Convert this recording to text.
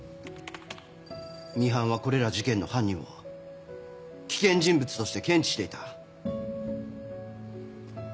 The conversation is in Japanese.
ミハンはこれら事件の犯人を危険人物として検知していた。